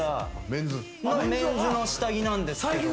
メンズの下着なんですけど。